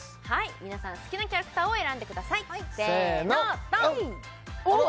皆さん好きなキャラクターを選んでくださいせのよっ！